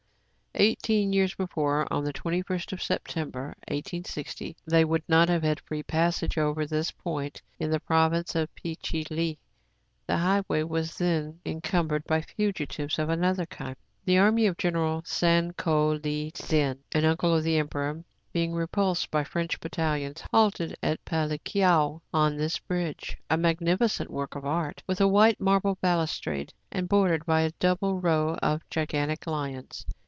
Eighteen years before, on the 2ist of Septem ber, 1 860, they would not have had free passage over this point in the province of Pe che lee. The highway was then encumbered by fugitives THE CELEBRATED LAMENT 147 of another kind. The army of Gen. San Ko Li Tzin, an uncle of the emperor, being repulsed by French battalions, halted at Palikao on this bridge, — a magnificent work of art,, with a white marble balustrade, and bordered by a double row of gigan tic liona.